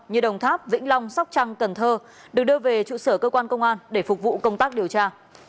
như đồng tháp vĩnh long sóc trăng cần thơ được đưa về trụ sở cơ quan công an để phục vụ công tác điều tra